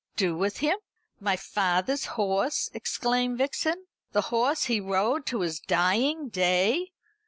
"Do with him? My father's horse!" exclaimed Vixen; "the horse he rode to his dying day!